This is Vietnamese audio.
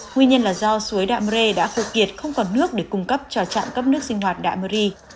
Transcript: nguyên nhân là do suối đạm rê đã khổ kiệt không còn nước để cung cấp cho trạm cấp nước sinh hoạt đạm rê